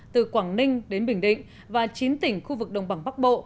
từ quảng ninh đến bình định và chín tỉnh khu vực đồng bằng bắc bộ